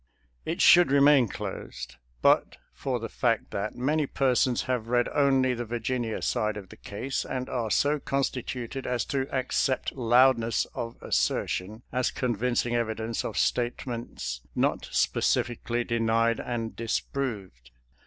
It should remain closed, but for the fact that many persons have read only the Virginia side of the case and are so constituted as to accept loudness of assertion as convincing evidence of statements not specifically denied and disproved.